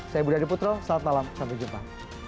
saya budi adiputro salam salam sampai jumpa